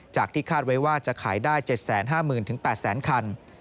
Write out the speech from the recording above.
ที่คาดไว้ว่าจะขายได้๗๕๐๐๐๘๐๐๐คัน